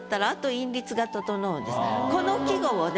この季語をね